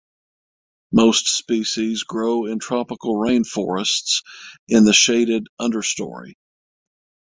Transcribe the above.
Most species grow in tropical rain forests in the shaded understorey.